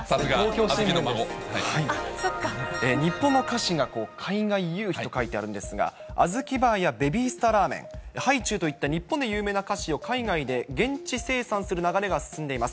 日本の菓子が海外雄飛と書いてあるんですが、小豆バーやベビースターラーメン、ハイチュウといった日本の有名な菓子を海外で現地生産する流れが進んでいます。